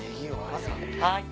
はい。